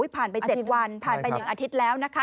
ผ่านไป๗วันผ่านไป๑อาทิตย์แล้วนะคะ